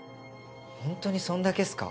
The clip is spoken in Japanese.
本当にそんだけっすか？